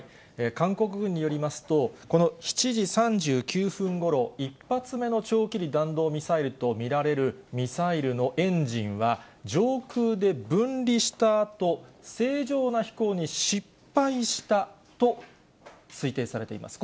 韓国軍によりますと、この７時３９分ごろ、１発目の長距離弾道ミサイルと見られるミサイルのエンジンは、上空で分離したあと、正常な飛行に失敗したと推定されています。